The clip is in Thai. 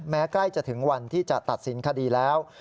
ใกล้จะถึงวันที่จะตัดสินคดีแล้ว